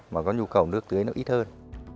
mà có nhu cầu nước tưới nó ít hơn